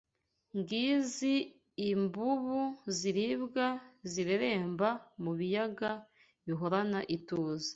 Ngizi imvubu zirirwa zireremba mu biyaga bihorana ituze